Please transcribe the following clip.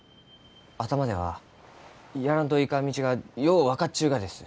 頭ではやらんといかん道がよう分かっちゅうがです。